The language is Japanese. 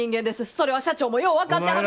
それは社長もよう分かってはる。